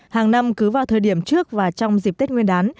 hàng năm cứ vào thời điểm trước và trong dịp tết nguyên đán